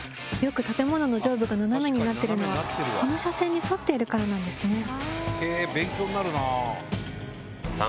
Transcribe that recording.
よく建物の上部が斜めになってるのはこの斜線に沿っているからなんですね。